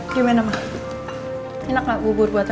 aku kabarin elsa dulu ya pak ya